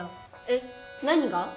えっ何が？